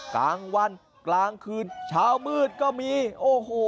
กลางวันกลางคืนเช้ามืดก็มีโอ้โห